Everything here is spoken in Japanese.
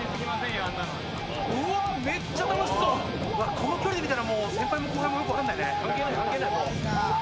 この距離で見たら、先輩も後輩もよく分からないね。